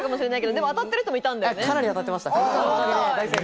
でも当たってる人いたんだよね？